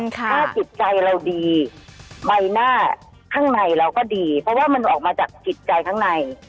ถ้าจิตใจเราดีใบหน้าข้างในเราก็ดีเพราะว่ามันออกมาจากจิตใจข้างใน